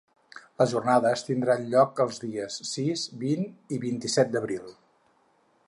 Les jornades tindran lloc els dies sis, vint i vint-i-set d’abril.